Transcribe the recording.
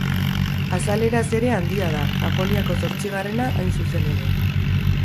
Azaleraz ere handia da, Japoniako zortzigarrena hain zuzen ere.